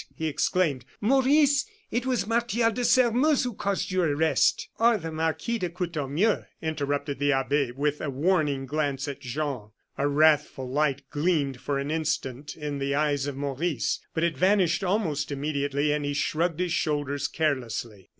he exclaimed. "Maurice, it was Martial de Sairmeuse who caused your arrest " "Or the Marquis de Courtornieu," interrupted the abbe, with a warning glance at Jean. A wrathful light gleamed for an instant in the eyes of Maurice; but it vanished almost immediately, and he shrugged his shoulders carelessly.